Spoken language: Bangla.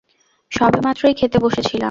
সবেমাত্রই খেতে বসেছিলাম।